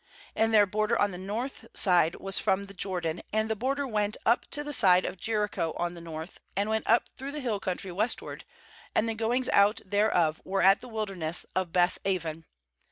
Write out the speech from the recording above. ^And their border on the north side was from the Jordan; and the border went up to the side of Jericho on the north, and went up through the hill country westward; and the goings out thereof were at the wilderness of Beth aven.